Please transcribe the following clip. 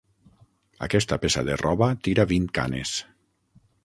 Aquesta peça de roba tira vint canes.